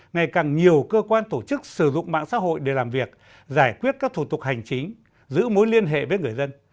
ngày càng nhiều cơ quan tổ chức sử dụng mạng xã hội để làm việc giải quyết các thủ tục hành chính giữ mối liên hệ với người dân